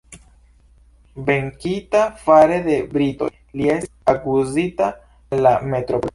Venkita fare de britoj, li estis akuzita en la metropolo.